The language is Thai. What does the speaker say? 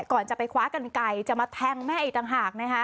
ก่อนจะไปคว้ากันไกลจะมาแทงแม่อีกต่างหากนะคะ